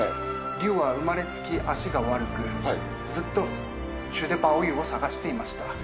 ・劉は生まれつき足が悪くずっと血的宝玉を探していました。